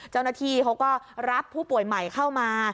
เจ้าหน้าที่เขาก็รับผู้ป่วยใหม่เข้ามา